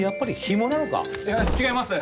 いや違います。